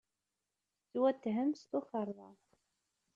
Tettwatthem s tukerḍa.